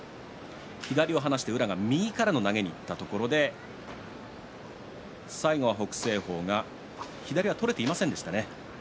そして宇良が右からの投げにいったところで最後は北青鵬が左は取れていませんでしたね。